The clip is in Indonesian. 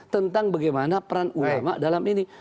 tentang bagaimana peran ulama dalam ini